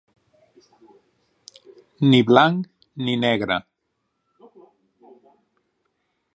Ni blanc, ni negre.